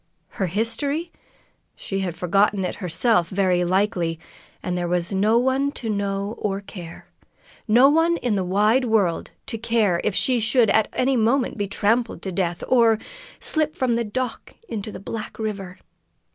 Her history? She had forgotten it herself, very likely, and there was no one to know or care no one in the wide world to care if she should at any moment be trampled to death, or slip from the dock into the black river.